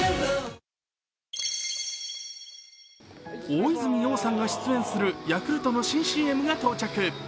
大泉洋さんが出演するヤクルトの新ＣＭが到着。